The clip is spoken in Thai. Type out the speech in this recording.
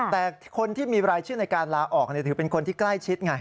แต่คนที่มีรายชื่อในการลาออกถือเป็นคนที่ใกล้ชิดไง